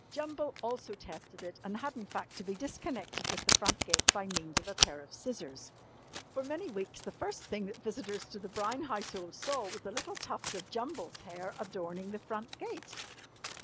Jumble also tested it, and had in fact to be disconnected with the front gate by means of a pair of scissors. For many weeks the first thing that visitors to the Brown household saw was a little tuft of Jumble's hair adorning the front gate.